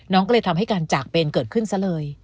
ก็เลยทำให้การจากเป็นเกิดขึ้นซะเลย